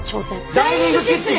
「ダイニングキッチン」！